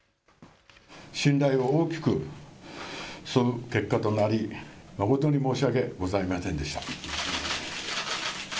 信頼を大きく背く結果となり誠に申し訳ございませんでした。